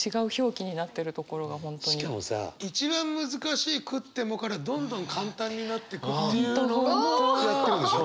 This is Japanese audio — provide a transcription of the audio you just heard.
しかもさ一番難しい「喰っても」からどんどん簡単になってくっていうのもねらってるでしょ？